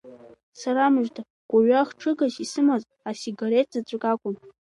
Сарамыжда, гәырҩа хҽыгас исымаз асигареҭ заҵәык акәын…